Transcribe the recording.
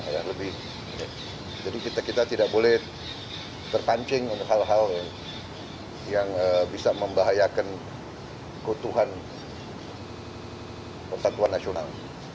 jadi kita tidak boleh terpancing dengan hal hal yang bisa membahayakan keutuhan persatuan nasional